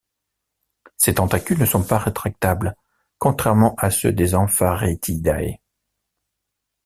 Ces tentacules ne sont pas rétractables contrairement à ceux des Ampharetidae.